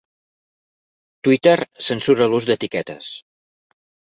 Twitter censura l'ús d'etiquetes